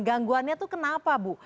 gangguannya itu kenapa bu